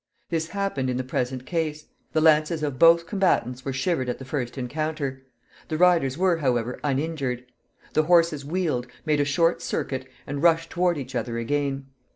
This happened in the present case. The lances of both combatants were shivered at the first encounter. The riders were, however, uninjured. The horses wheeled, made a short circuit, and rushed toward each other again.